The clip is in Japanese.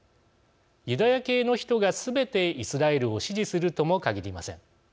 ユダヤ系の人がすべてイスラエルを支持するとも限りません。